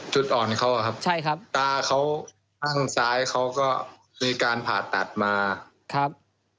จุดอ่อนเขาอะครับใช่ครับตาเขาข้างซ้ายเขาก็มีการผ่าตัดมาครับ